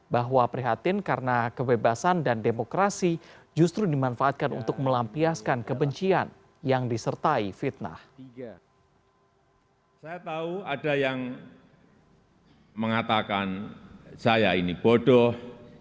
bahwa prihatin karena kebebasan dan demokrasi justru dimanfaatkan untuk melampiaskan kebencian yang disertai fitnah